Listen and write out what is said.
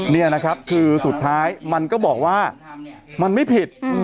นี่นะครับคือสุดท้ายมันก็บอกว่ามันไม่ผิด